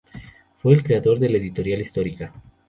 Fue el creador de la Editorial Histórica.